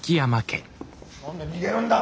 何で逃げるんだ。